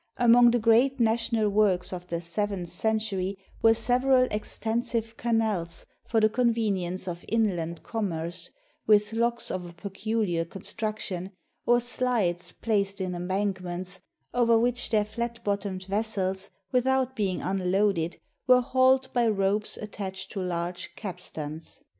Among the great national works of the seventh cen tury were several extensive canals for the convenience of inland commerce, with locks of a peculiar construc tion, or slides placed in embankments, over which their flat bottomed vessels, without being unloaded, were hauled by ropes attached to large capstans.